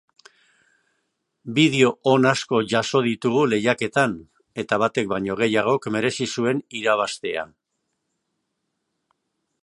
Bideo on asko jaso ditugu lehiaketan eta batek baino gehiagok merezi zuen irabaztea.